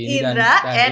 indra and indra